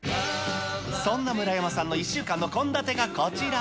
そんな村山さんの１週間の献立がこちら。